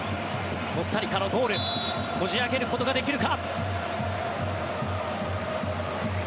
コスタリカのゴールこじ開けることができるか。